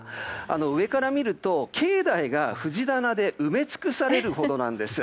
上から見ると境内が藤棚で埋め尽くされるほどなんです。